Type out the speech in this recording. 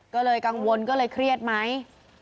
ก็เลยกังวลก็เลยเครียดไหม